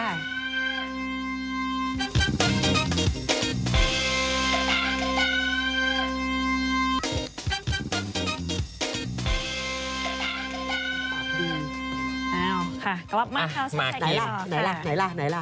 ค่ะกรอบมาครับแสดงจอดค่ะไหนล่ะ